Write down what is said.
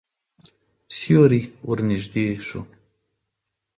سیوری ورنږدې شو.